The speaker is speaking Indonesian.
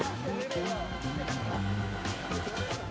durhadi wicaksono rumah jang jawa timur